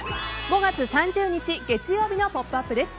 ５月３０日、月曜日の「ポップＵＰ！」です。